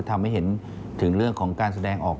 ทำให้เห็นถึงเรื่องของการแสดงออก